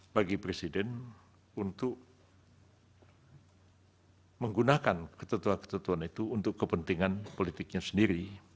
bagi presiden untuk menggunakan ketentuan ketentuan itu untuk kepentingan politiknya sendiri